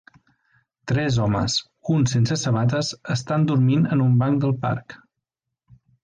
Tres homes, un sense sabates, estan dormint en un banc del parc.